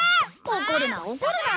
怒るな怒るな。